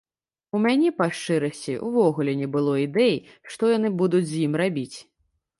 У мяне, па шчырасці, увогуле не было ідэй, што яны будуць з ім рабіць.